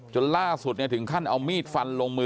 ธรรมเอกสูเอกฉินธรรม